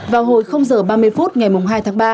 vào hồi h ba mươi phút ngày hai tháng ba